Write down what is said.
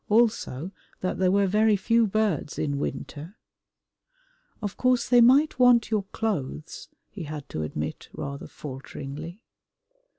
Also that there were very few birds in winter. "Of course they might want your clothes," he had to admit rather falteringly.